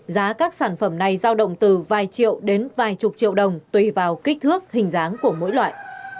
giá các sản phẩm này giao động từ vài triệu đến vài chục triệu đồng tùy vào kích thước hình dáng của mỗi loại